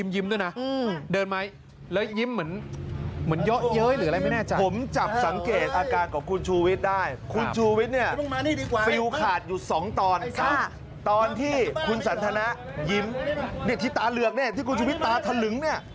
เมื่อวันนี้มึงกับกูนะคนละทางกัน